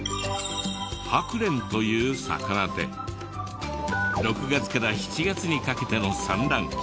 ハクレンという魚で６月から７月にかけての産卵期